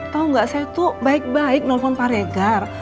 tau nggak saya tuh baik baik nelfon pak regar